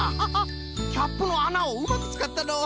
キャップのあなをうまくつかったのう。